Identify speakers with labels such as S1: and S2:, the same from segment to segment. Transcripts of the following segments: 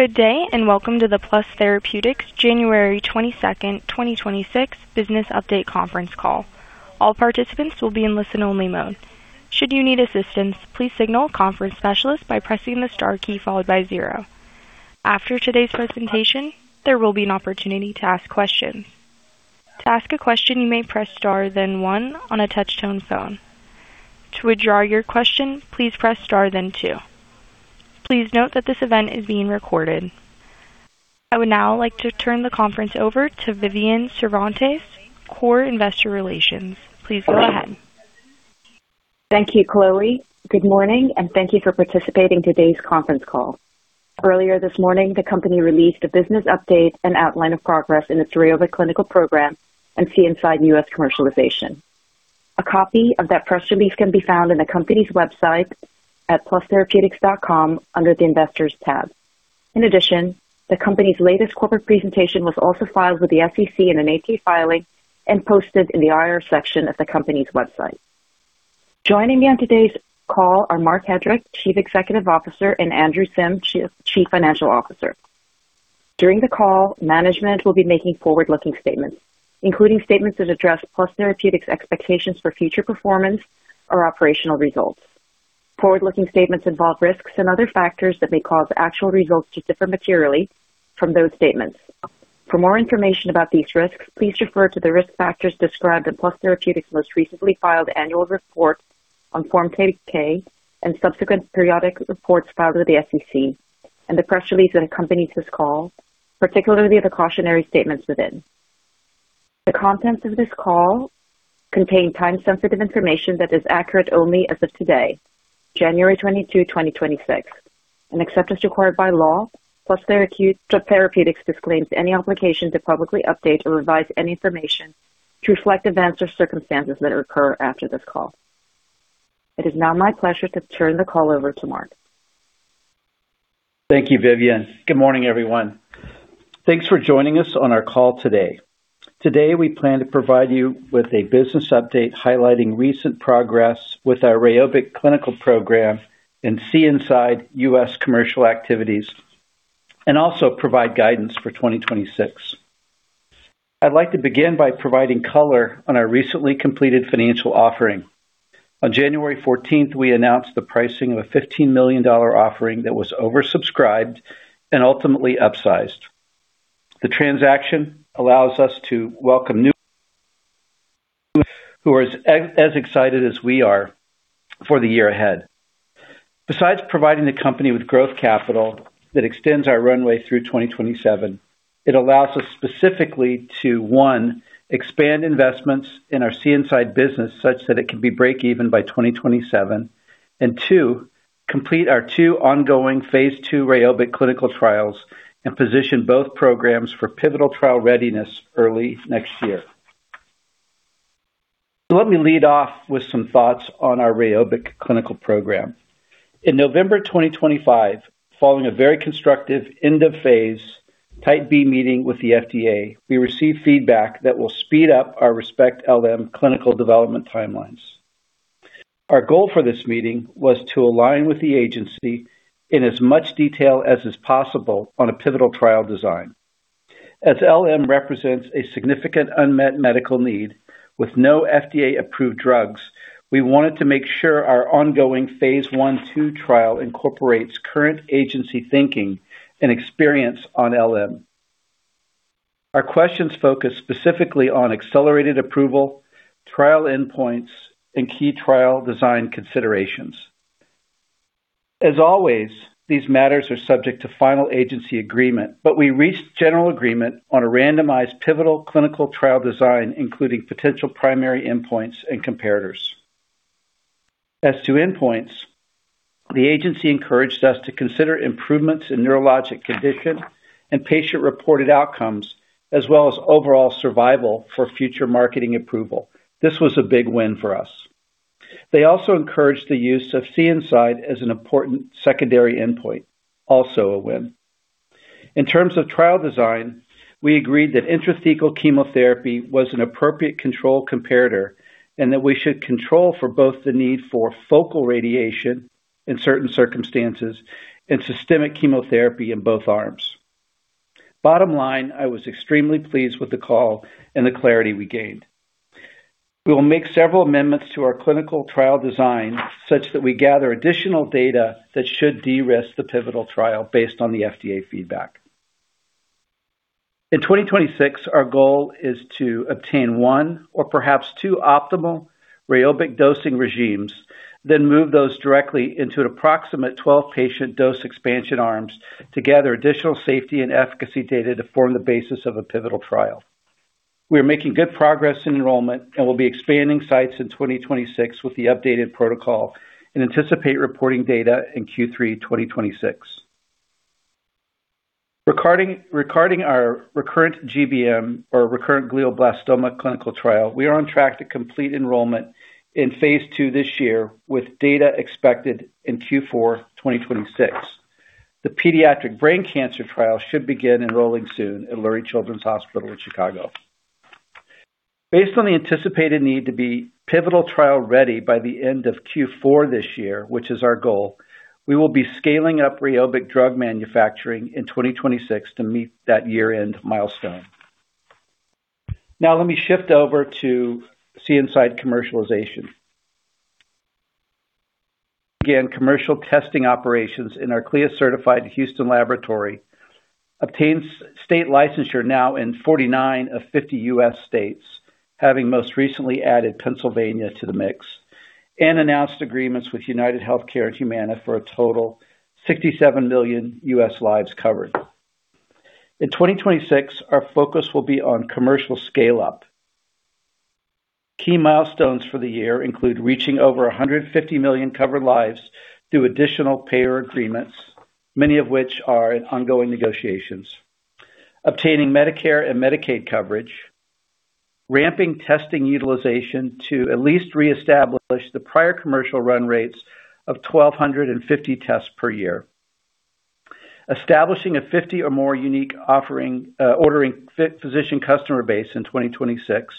S1: Good day and welcome to the Plus Therapeutics January 22nd, 2026, Business Update Conference Call. All participants will be in listen-only mode. Should you need assistance, please signal a conference specialist by pressing the star key followed by zero. After today's presentation, there will be an opportunity to ask questions. To ask a question, you may press star then one on a touch-tone phone. To withdraw your question, please press star then two. Please note that this event is being recorded. I would now like to turn the conference over to Vivian Cervantes, Core Investor Relations. Please go ahead.
S2: Thank you, Chloe. Good morning, and thank you for participating in today's conference call. Earlier this morning, the company released a business update and outline of progress in its RIOVA clinical program and CNSide U.S. commercialization. A copy of that press release can be found on the company's website at plustherapeutics.com under the Investors tab. In addition, the company's latest corporate presentation was also filed with the SEC in an AP filing and posted in the IR section of the company's website. Joining me on today's call are Mark Hedrick, Chief Executive Officer, and Andrew Sim, Chief Financial Officer. During the call, management will be making forward-looking statements, including statements that address Plus Therapeutics' expectations for future performance or operational results. Forward-looking statements involve risks and other factors that may cause actual results to differ materially from those statements. For more information about these risks, please refer to the risk factors described in Plus Therapeutics' most recently filed annual report on Form 10-K and subsequent periodic reports filed with the SEC, and the press release that accompanies this call, particularly the cautionary statements within. The contents of this call contain time-sensitive information that is accurate only as of today, January 22, 2026. As a statement required by law, Plus Therapeutics disclaims any obligation to publicly update or revise any information to reflect events or circumstances that occur after this call. It is now my pleasure to turn the call over to Mark.
S3: Thank you, Vivian. Good morning, everyone. Thanks for joining us on our call today. Today, we plan to provide you with a business update highlighting recent progress with our RIOVA clinical program and CNSIDE U.S. commercial activities, and also provide guidance for 2026. I'd like to begin by providing color on our recently completed financial offering. On January 14th, we announced the pricing of a $15 million offering that was oversubscribed and ultimately upsized. The transaction allows us to welcome new customers who are as excited as we are for the year ahead. Besides providing the company with growth capital that extends our runway through 2027, it allows us specifically to, one, expand investments in our CNSIDE business such that it can be break-even by 2027, and two, complete our two ongoing phase II RIOVA clinical trials and position both programs for pivotal trial readiness early next year. Let me lead off with some thoughts on our REYOBIQ clinical program. In November 2025, following a very constructive End-of-phase Type B meeting with the FDA, we received feedback that will speed up our ReSPECT-LM clinical development timelines. Our goal for this meeting was to align with the agency in as much detail as is possible on a pivotal trial design. As LM represents a significant unmet medical need with no FDA-approved drugs, we wanted to make sure our ongoing phase I-II trial incorporates current agency thinking and experience on LM. Our questions focus specifically on accelerated approval, trial endpoints, and key trial design considerations. As always, these matters are subject to final agency agreement, but we reached general agreement on a randomized pivotal clinical trial design, including potential primary endpoints and comparators. As to endpoints, the agency encouraged us to consider improvements in neurologic condition and patient-reported outcomes, as well as overall survival for future marketing approval. This was a big win for us. They also encouraged the use of CNSIDE as an important secondary endpoint, also a win. In terms of trial design, we agreed that intrathecal chemotherapy was an appropriate control comparator and that we should control for both the need for focal radiation in certain circumstances and systemic chemotherapy in both arms. Bottom line, I was extremely pleased with the call and the clarity we gained. We will make several amendments to our clinical trial design such that we gather additional data that should de-risk the pivotal trial based on the FDA feedback. In 2026, our goal is to obtain one or perhaps two optimal RIOVA dosing regimes, then move those directly into an approximate 12-patient dose expansion arms to gather additional safety and efficacy data to form the basis of a pivotal trial. We are making good progress in enrollment and will be expanding sites in 2026 with the updated protocol and anticipate reporting data in Q3 2026. Regarding our recurrent GBM or recurrent glioblastoma clinical trial, we are on track to complete enrollment in phase II this year with data expected in Q4 2026. The pediatric brain cancer trial should begin enrolling soon at Lurie Children's Hospital in Chicago. Based on the anticipated need to be pivotal trial ready by the end of Q4 this year, which is our goal, we will be scaling up RIOVA drug manufacturing in 2026 to meet that year-end milestone. Now, let me shift over to CNSIDE commercialization. Again, commercial testing operations in our CLIA-certified Houston laboratory obtained state licensure now in 49 of 50 U.S. states, having most recently added Pennsylvania to the mix, and announced agreements with UnitedHealthcare and Humana for a total of 67 million U.S. lives covered. In 2026, our focus will be on commercial scale-up. Key milestones for the year include reaching over 150 million covered lives through additional payer agreements, many of which are in ongoing negotiations, obtaining Medicare and Medicaid coverage, ramping testing utilization to at least reestablish the prior commercial run rates of 1,250 tests per year, establishing a 50 or more unique ordering physician customer base in 2026,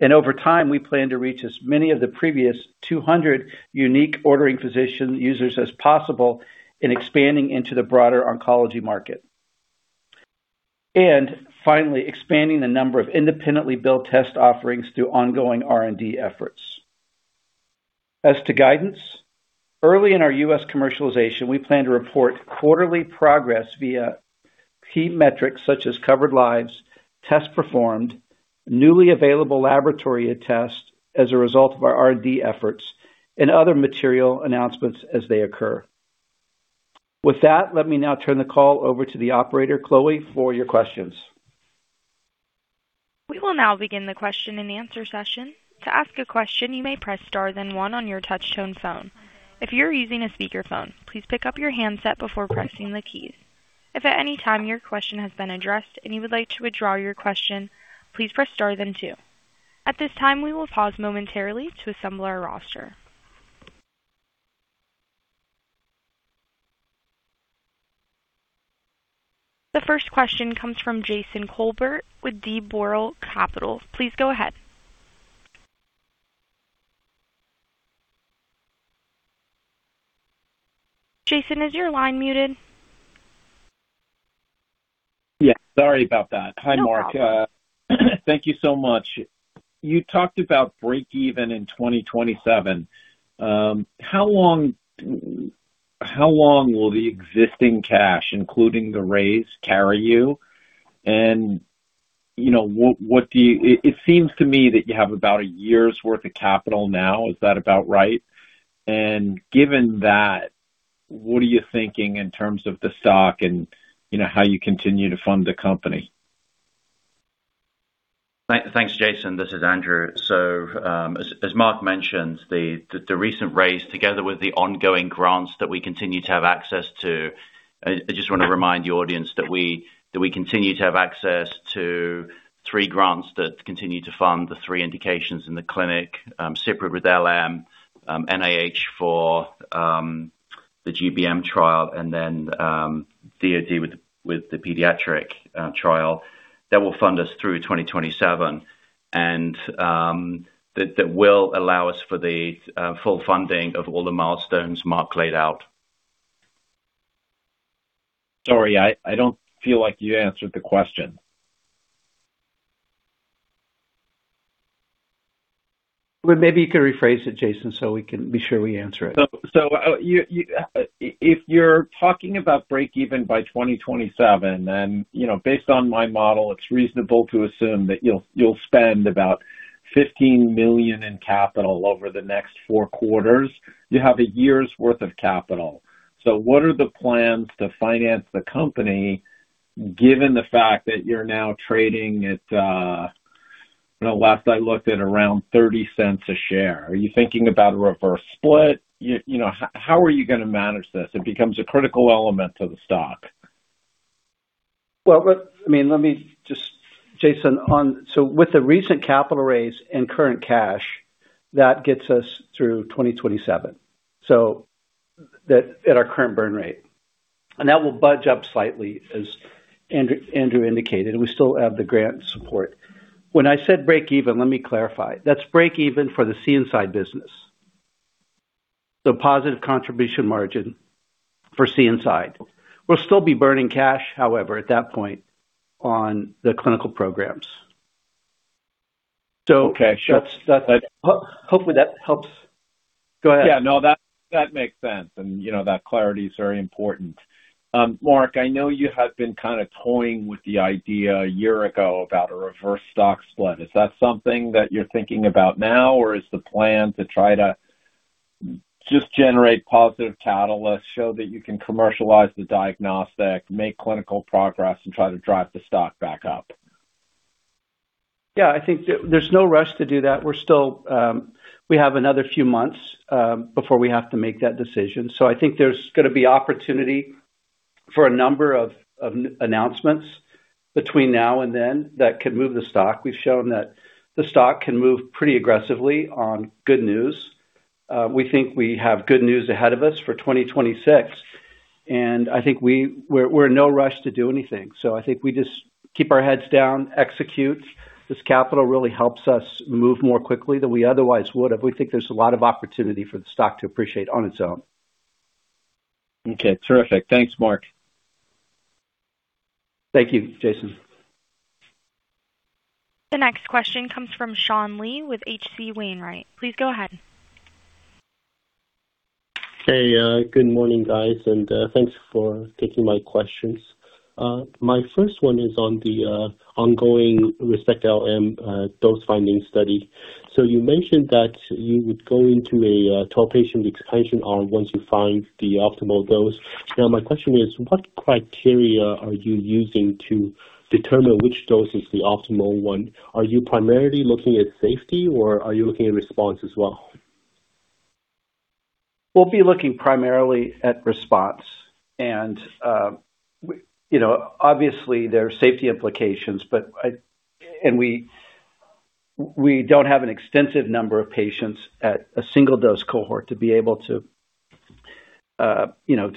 S3: and over time, we plan to reach as many of the previous 200 unique ordering physician users as possible and expanding into the broader oncology market. Finally, expanding the number of independently built test offerings through ongoing R&D efforts. As to guidance, early in our U.S. commercialization, we plan to report quarterly progress via key metrics such as covered lives, tests performed, newly available laboratory tests as a result of our R&D efforts, and other material announcements as they occur. With that, let me now turn the call over to the operator, Chloe, for your questions.
S1: We will now begin the question-and-answer session. To ask a question, you may press star then one on your touch-tone phone. If you're using a speakerphone, please pick up your handset before pressing the keys. If at any time your question has been addressed and you would like to withdraw your question, please press star then two. At this time, we will pause momentarily to assemble our roster. The first question comes from Jason Kolbert with Dawson James Securities. Please go ahead. Jason, is your line muted?
S4: Yes. Sorry about that. Hi, Mark. Thank you so much. You talked about break-even in 2027. How long will the existing cash, including the raise, carry you? And what do you—it seems to me that you have about a year's worth of capital now. Is that about right? And given that, what are you thinking in terms of the stock and how you continue to fund the company?
S5: Thanks, Jason. This is Andrew. As Mark mentioned, the recent raise, together with the ongoing grants that we continue to have access to, I just want to remind the audience that we continue to have access to three grants that continue to fund the three indications in the clinic: CPRIT with LM, NIH for the GBM trial, and then DOD with the pediatric trial that will fund us through 2027, and that will allow us for the full funding of all the milestones Mark laid out.
S4: Sorry, I don't feel like you answered the question.
S5: Maybe you could rephrase it, Jason, so we can be sure we answer it.
S4: If you're talking about break-even by 2027, then based on my model, it's reasonable to assume that you'll spend about $15 million in capital over the next four quarters. You have a year's worth of capital. What are the plans to finance the company, given the fact that you're now trading at - last I looked - around $0.30 a share? Are you thinking about a reverse split? How are you going to manage this? It becomes a critical element to the stock.
S5: Well, I mean, let me just, Jason, so with the recent capital raise and current cash, that gets us through 2027 at our current burn rate. And that will budge up slightly, as Andrew indicated. We still have the grant support. When I said break-even, let me clarify. That's break-even for the CNSIDE business, the positive contribution margin for CNSIDE. We'll still be burning cash, however, at that point on the clinical programs. So that's.
S3: Okay. Hopefully, that helps.
S5: Go ahead.
S4: Yeah. No, that makes sense. And that clarity is very important. Mark, I know you had been kind of toying with the idea a year ago about a reverse stock split. Is that something that you're thinking about now, or is the plan to try to just generate positive catalysts, show that you can commercialize the diagnostic, make clinical progress, and try to drive the stock back up?
S3: Yeah. I think there's no rush to do that. We have another few months before we have to make that decision. So I think there's going to be opportunity for a number of announcements between now and then that can move the stock. We've shown that the stock can move pretty aggressively on good news. We think we have good news ahead of us for 2026. And I think we're in no rush to do anything. So I think we just keep our heads down, execute. This capital really helps us move more quickly than we otherwise would if we think there's a lot of opportunity for the stock to appreciate on its own.
S4: Okay. Terrific. Thanks, Mark.
S3: Thank you, Jason.
S1: The next question comes from Sean Lee with H.C. Wainwright. Please go ahead.
S6: Hey, good morning, guys, and thanks for taking my questions. My first one is on the ongoing ReSPECT-LM dose-finding study. So you mentioned that you would go into a 12-patient expansion arm once you find the optimal dose. Now, my question is, what criteria are you using to determine which dose is the optimal one? Are you primarily looking at safety, or are you looking at response as well?
S5: We'll be looking primarily at response, and obviously, there are safety implications, and we don't have an extensive number of patients at a single-dose cohort to be able to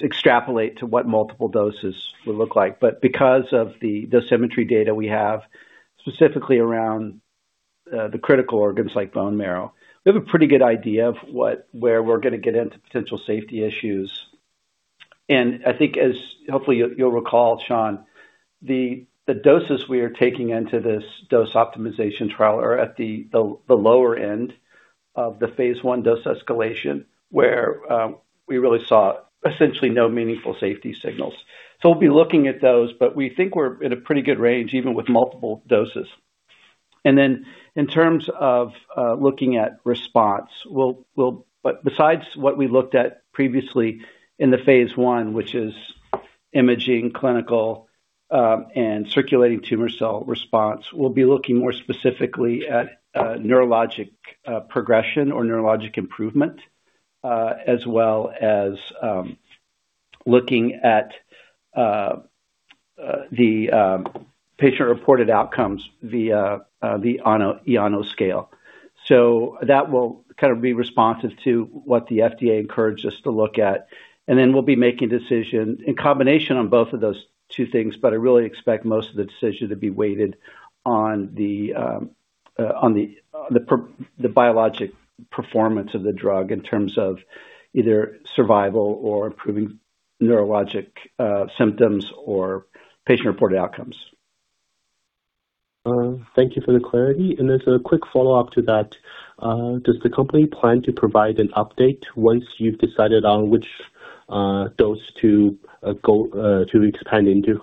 S5: extrapolate to what multiple doses would look like, but because of the dosimetry data we have, specifically around the critical organs like bone marrow, we have a pretty good idea of where we're going to get into potential safety issues, and I think, as hopefully you'll recall, Sean, the doses we are taking into this dose optimization trial are at the lower end of the phase I dose escalation, where we really saw essentially no meaningful safety signals, so we'll be looking at those, but we think we're in a pretty good range even with multiple doses. And then in terms of looking at response, besides what we looked at previously in the phase I, which is imaging, clinical, and circulating tumor cell response, we'll be looking more specifically at neurologic progression or neurologic improvement, as well as looking at the patient-reported outcomes via the NANO scale. So that will kind of be responsive to what the FDA encouraged us to look at. And then we'll be making a decision in combination on both of those two things, but I really expect most of the decision to be weighted on the biologic performance of the drug in terms of either survival or improving neurologic symptoms or patient-reported outcomes.
S6: Thank you for the clarity and as a quick follow-up to that, does the company plan to provide an update once you've decided on which dose to expand into?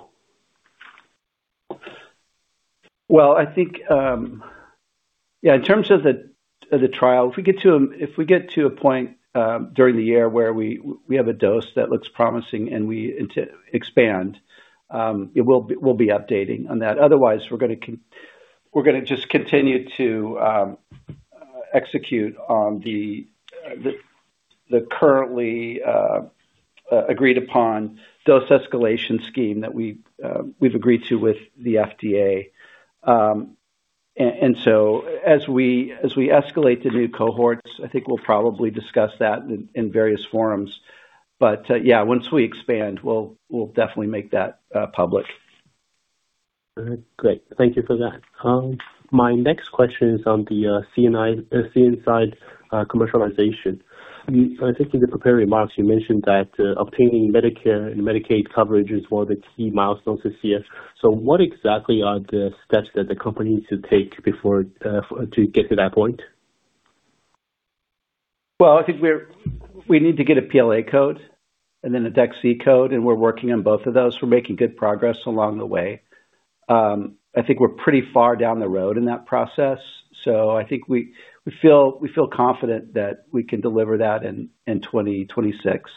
S5: I think, yeah, in terms of the trial, if we get to a point during the year where we have a dose that looks promising and we expand, we'll be updating on that. Otherwise, we're going to just continue to execute on the currently agreed-upon dose escalation scheme that we've agreed to with the FDA, and so as we escalate to new cohorts, I think we'll probably discuss that in various forums, but yeah, once we expand, we'll definitely make that public.
S6: Great. Thank you for that. My next question is on the CNSIDE commercialization. I think in the prepared remarks, you mentioned that obtaining Medicare and Medicaid coverage is one of the key milestones this year. So what exactly are the steps that the company needs to take to get to that point?
S5: I think we need to get a PLA code and then a DEX Z-Code, and we're working on both of those. We're making good progress along the way. I think we're pretty far down the road in that process. I think we feel confident that we can deliver that in 2026.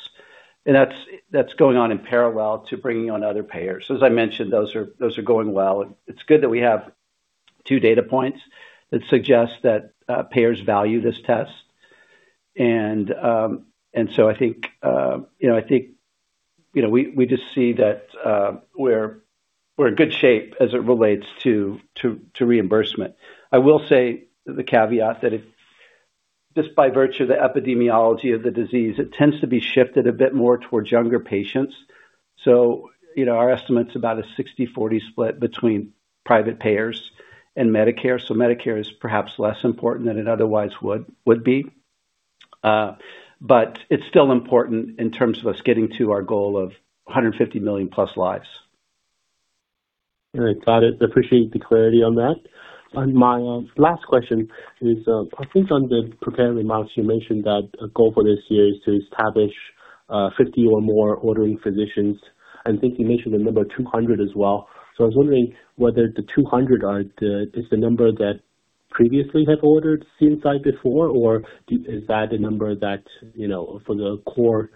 S5: That's going on in parallel to bringing on other payers. As I mentioned, those are going well. It's good that we have two data points that suggest that payers value this test. I think we just see that we're in good shape as it relates to reimbursement. I will say the caveat that just by virtue of the epidemiology of the disease, it tends to be shifted a bit more towards younger patients. Our estimate's about a 60/40 split between private payers and Medicare. So Medicare is perhaps less important than it otherwise would be. But it's still important in terms of us getting to our goal of 150 million-plus lives.
S6: All right. Got it. Appreciate the clarity on that. My last question is, I think on the prepared remarks, you mentioned that a goal for this year is to establish 50 or more ordering physicians. I think you mentioned the number 200 as well. So I was wondering whether the 200 is the number that previously have ordered CNSIDE before, or is that the number for the core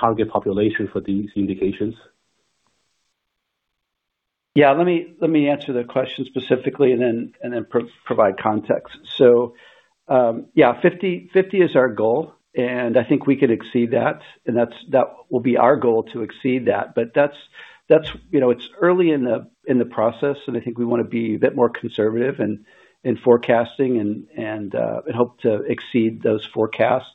S6: target population for these indications?
S5: Yeah. Let me answer the question specifically and then provide context. So yeah, 50 is our goal, and I think we can exceed that. And that will be our goal to exceed that. But it's early in the process, and I think we want to be a bit more conservative in forecasting and hope to exceed those forecasts.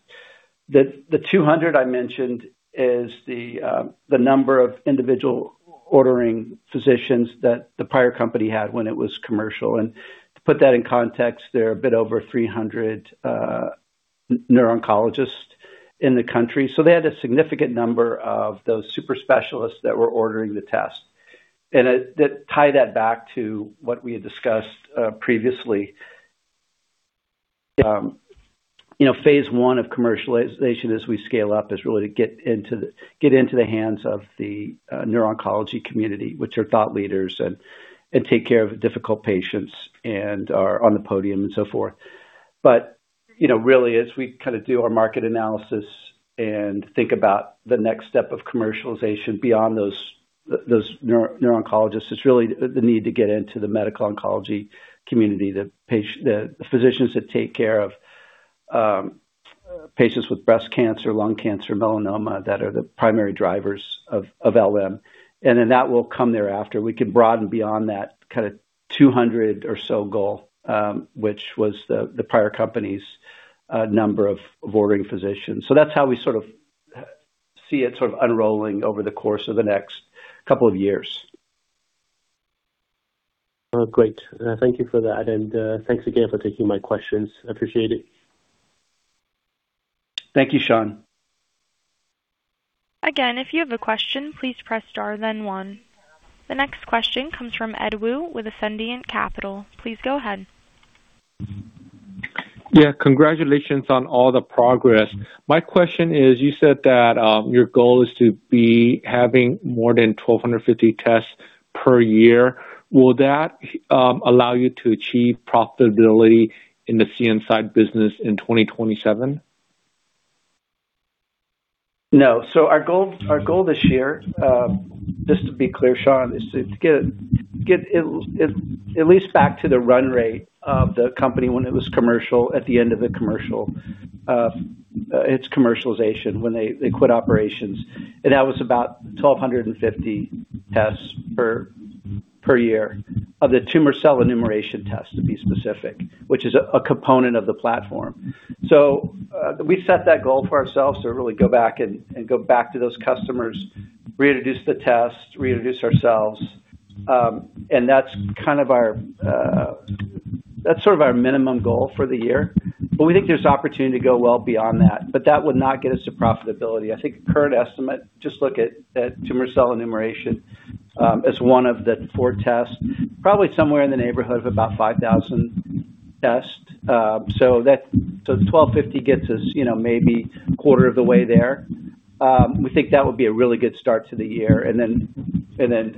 S5: The 200 I mentioned is the number of individual ordering physicians that the prior company had when it was commercial. And to put that in context, there are a bit over 300 neuro-oncologists in the country. So they had a significant number of those super specialists that were ordering the test. To tie that back to what we had discussed previously, Phase I of commercialization, as we scale up, is really to get into the hands of the neuro-oncology community, which are thought leaders and take care of difficult patients and are on the podium and so forth. But really, as we kind of do our market analysis and think about the next step of commercialization beyond those neuro-oncologists, it's really the need to get into the medical oncology community, the physicians that take care of patients with breast cancer, lung cancer, melanoma that are the primary drivers of LM. And then that will come thereafter. We can broaden beyond that kind of 200 or so goal, which was the prior company's number of ordering physicians. So that's how we sort of see it sort of unrolling over the course of the next couple of years.
S6: Great. Thank you for that. And thanks again for taking my questions. I appreciate it.
S5: Thank you, Sean.
S1: Again, if you have a question, please press star, then one. The next question comes from Ed Woo with Ascendiant Capital. Please go ahead.
S7: Yeah. Congratulations on all the progress. My question is, you said that your goal is to be having more than 1,250 tests per year. Will that allow you to achieve profitability in the CNSIDE business in 2027?
S3: No, so our goal this year, just to be clear, Sean, is to get at least back to the run rate of the company when it was commercial at the end of its commercialization when they quit operations, and that was about 1,250 tests per year of the tumor cell enumeration test, to be specific, which is a component of the platform, so we set that goal for ourselves to really go back and go back to those customers, reintroduce the test, reintroduce ourselves, and that's kind of our—that's sort of our minimum goal for the year, but we think there's opportunity to go well beyond that, but that would not get us to profitability. I think current estimate, just look at tumor cell enumeration as one of the four tests, probably somewhere in the neighborhood of about 5,000 tests. 1,250 gets us maybe a quarter of the way there. We think that would be a really good start to the year.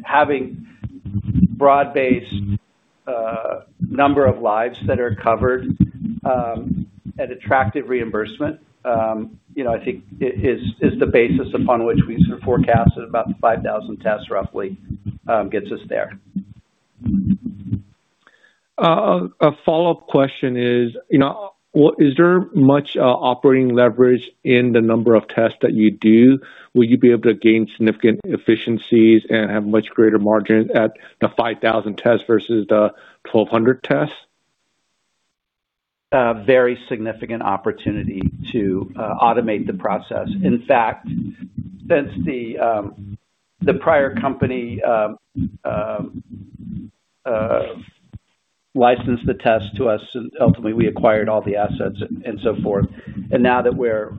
S3: Having a broad-based number of lives that are covered at attractive reimbursement, I think, is the basis upon which we sort of forecast that about 5,000 tests roughly gets us there.
S7: A follow-up question is, is there much operating leverage in the number of tests that you do? Will you be able to gain significant efficiencies and have much greater margins at the 5,000 tests versus the 1,200 tests?
S3: Very significant opportunity to automate the process. In fact, since the prior company licensed the test to us, ultimately, we acquired all the assets and so forth, and now that we're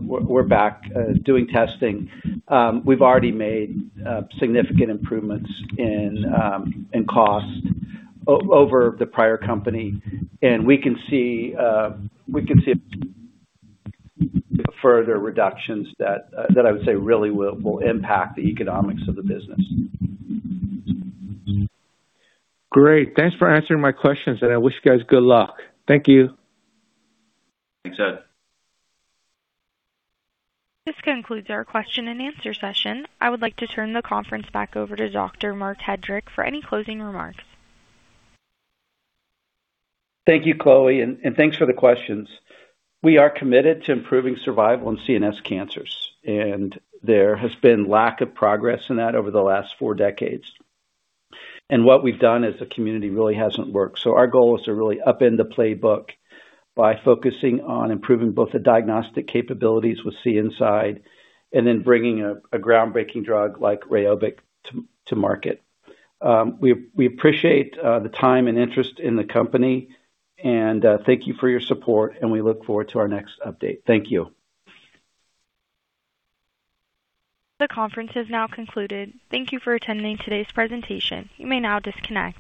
S3: back doing testing, we've already made significant improvements in cost over the prior company, and we can see further reductions that I would say really will impact the economics of the business.
S7: Great. Thanks for answering my questions, and I wish you guys good luck. Thank you.
S3: Thanks, Ed.
S1: This concludes our question-and-answer session. I would like to turn the conference back over to Dr. Marc Hedrick for any closing remarks.
S3: Thank you, Chloe. And thanks for the questions. We are committed to improving survival in CNS cancers. And there has been lack of progress in that over the last four decades. And what we've done as a community really hasn't worked. So our goal is to really upend the playbook by focusing on improving both the diagnostic capabilities with CNSIDE and then bringing a groundbreaking drug like REYOBIQ to market. We appreciate the time and interest in the company. And thank you for your support. And we look forward to our next update. Thank you.
S1: The conference has now concluded. Thank you for attending today's presentation. You may now disconnect.